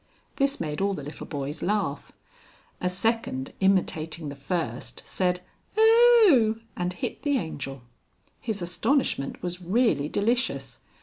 This made all the little boys laugh. A second imitating the first, said "Oh!" and hit the Angel. His astonishment was really delicious.